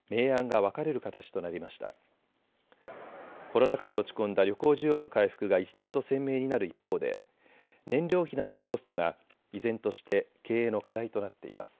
コロナ禍で落ち込んだ旅行需要の回復が一段と鮮明になる一方で燃料費などのコストが依然として経営の課題となっています。